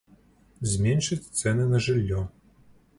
Зменшыць цэны на жыллё.